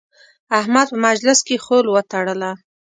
احمد په مجلس کې خول وتړله.